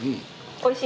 おいしい？